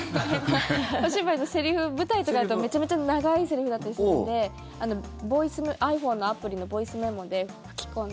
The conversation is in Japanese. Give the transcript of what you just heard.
お芝居のセリフ舞台とかだとめちゃくちゃ長いセリフとかがあったりするのでｉＰｈｏｎｅのアプリのボイスメモで吹き込んで。